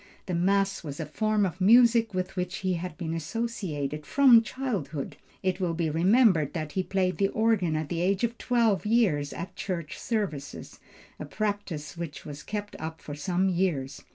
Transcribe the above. The mass was a form of music with which he had been associated from childhood. It will be remembered that he played the organ at the age of twelve years at church services, a practice which was kept up for some years.